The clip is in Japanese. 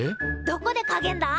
どこでかげんだ？